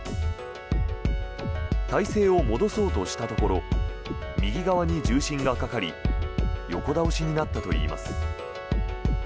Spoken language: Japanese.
体勢を戻そうとしたところ右側に重心がかかり横倒しになったといいます。